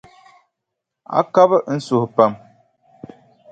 A kabi n suhu pam.